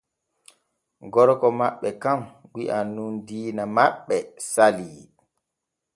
Gorko maɓɓe kan wi’an nun diina maɓɓe salii.